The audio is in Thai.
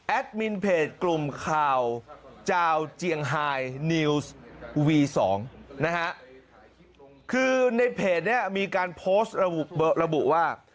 มินเพจกลุ่มข่าวจาวเจียงไฮนิวส์วี๒นะฮะคือในเพจเนี่ยมีการโพสต์ระบุว่า